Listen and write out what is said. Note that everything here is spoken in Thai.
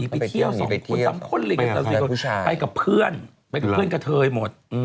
ไปกับเพื่อนเพื่อนเทยหมด